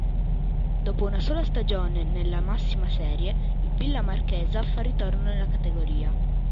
Dopo una sola stagione nella massima serie, il Villa Marchesa fa ritorno nella categoria.